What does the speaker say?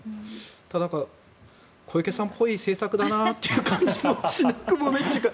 ただ、小池さんっぽい政策だなという感じもしなくもないというか。